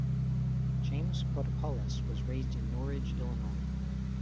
James Fotopoulos was raised in Norridge, Illinois.